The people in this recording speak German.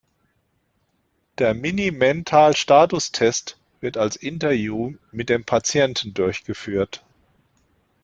Der Mini-Mental-Status-Test wird als Interview mit dem Patienten durchgeführt.